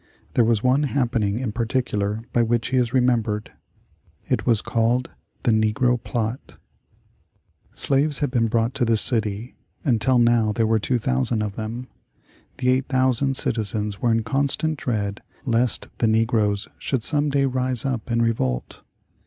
There was one happening in particular by which he is remembered. It was called the Negro Plot. Slaves had been brought to the city, until now there were 2,000 of them. The 8,000 citizens were in constant dread lest the negroes should some day rise up in revolt.